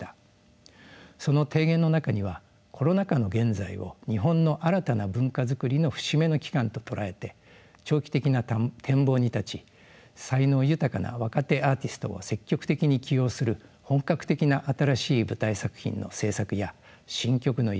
その提言の中にはコロナ禍の現在を日本の新たな文化作りの節目の期間と捉えて長期的な展望に立ち才能豊かな若手アーティストを積極的に起用する本格的な新しい舞台作品の制作や新曲の委嘱。